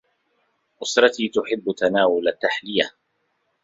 أسرتي تحبّ تناول التّحلية.